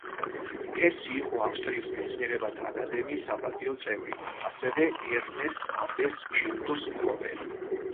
ჰესი იყო ავსტრიის მეცნიერებათა აკადემიის საპატიო წევრი, ასევე ერნესტ აბეს ჯილდოს მფლობელი.